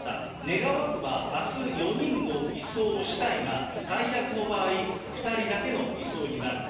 願わくば、あす、４人の移送をしたいが、最悪の場合、２人だけの移送になる。